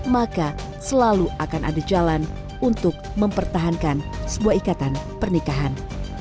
maka selalu akan ada jalan untuk mempertahankan sebuah ikatan pernikahan